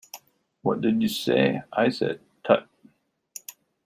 What did you say? I said 'Tut!'